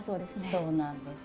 そうなんどす。